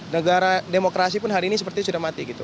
negara demokrasi pun hari ini seperti sudah mati